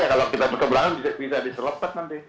iya kalau kita berseberangan bisa diserlepas nanti